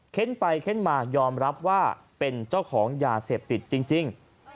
ไปเค้นมายอมรับว่าเป็นเจ้าของยาเสพติดจริง